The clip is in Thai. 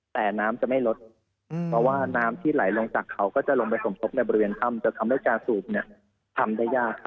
แต่น้ำจะไม่ลดว่าน้ำที่ไหลลงจากเขาก็จะลงไปสมกรุกในบริเวณท่ำจะทำการสูบเนี่ยทำได้ยาก